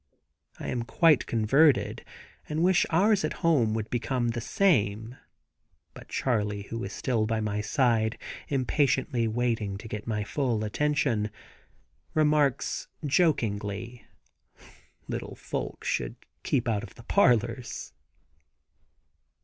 I am quite converted and wish ours at home would become the same, but Charley, who is still by my side, impatiently waiting to get my full attention, remarks, jokingly: "Little folks should keep out of the parlors!"